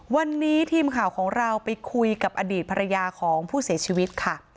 วันนี้ทีมข่าวของเราไปคุยกับอดีตภรรยาของผู้เสียชีวิตค่ะ